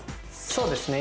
そうですね。